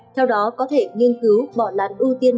theo đó có thể nghiên cứu bỏ làn ưu tiên